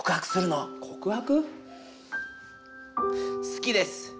好きです。